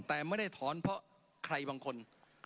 แต่ไม่ได้ถอนเพราะใครบางคน